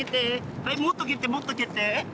はいもっと蹴ってもっと蹴って。